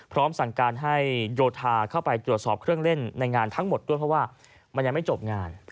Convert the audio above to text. พร้อมสั่งการให้โยธาเข้าไปตรวจสอบเครื่องเล่นในงานทั้งหมดด้วยเพราะว่ามันยังไม่จบงาน